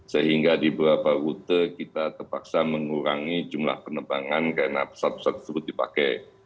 sehingga di beberapa rute kita terpaksa mengurangi jumlah penerbangan karena pesawat pesawat tersebut dipakai